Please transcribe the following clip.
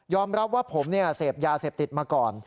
รับว่าผมเสพยาเสพติดมาก่อน